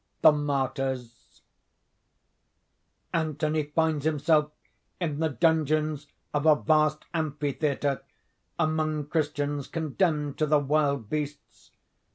THE MARTYRS Anthony finds himself in the dungeons of a vast amphitheatre, among Christians condemned to the wild beasts.